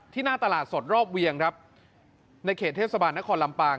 หน้าตลาดสดรอบเวียงครับในเขตเทศบาลนครลำปาง